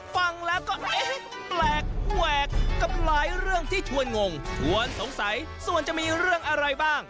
ฟังแล้วก็เอ๊ะแปลกแหวกกับหลายเรื่องที่ชวนงงชวนสงสัยส่วนจะมีเรื่องอะไรบ้าง